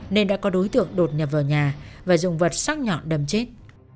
nên đã có đối tượng đột nhập vào nhà và dùng vật xác nhọn đầm chết